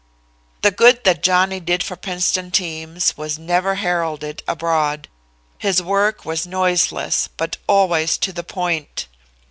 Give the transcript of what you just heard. "The good that Johnny did for Princeton teams was never heralded abroad. His work was noiseless, but always to the point.